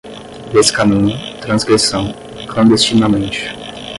descaminho, transgressão, clandestinamente